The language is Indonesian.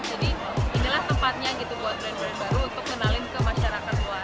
jadi inilah tempatnya buat brand brand baru untuk ngenalin ke masyarakat luar